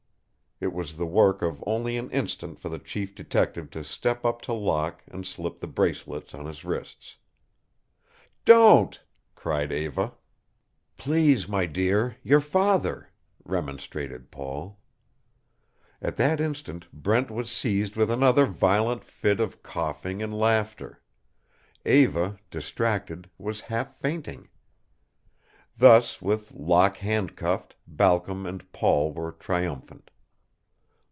It was the work of only an instant for the chief detective to step up to Locke and slip the bracelets on his wrists. "Don't!" cried Eva. "Please my dear your father," remonstrated Paul. At that instant Brent was seized with another violent fit of coughing and laughter. Eva, distracted, was half fainting. Thus, with Locke handcuffed, Balcom and Paul were triumphant.